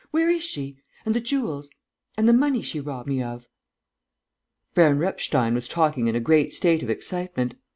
Where is she? And the jewels? And the money she robbed me of?" Baron Repstein was talking in a great state of excitement.